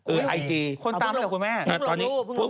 คนตามเหรอคุณแม่